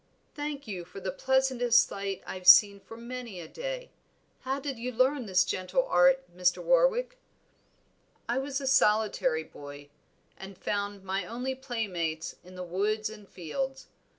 "Thank you for the pleasantest sight I've seen for many a day. How did you learn this gentle art, Mr. Warwick?" "I was a solitary boy, and found my only playmates in the woods and fields.